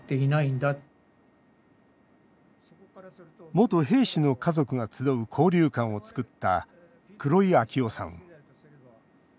元兵士の家族が集う交流館を作った黒井秋夫さん。